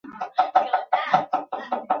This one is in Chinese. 毛环唐竹为禾本科唐竹属下的一个种。